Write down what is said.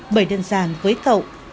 bởi đơn giản với cậu